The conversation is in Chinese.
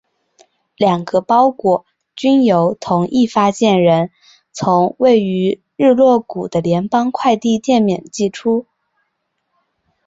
两个包裹均由同一发件人从位于日落谷的联邦快递店面寄出。